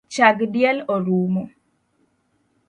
Chag diel orumo